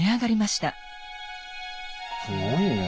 すごいね。